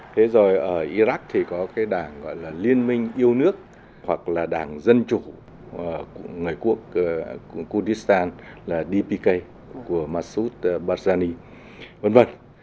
thế rồi ở iraq thì có cái đảng gọi là liên minh yêu nước hoặc là đảng dân chủ người quốc kudistan là dpk của masoud barzani v v